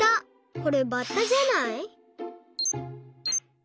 これバッタじゃない？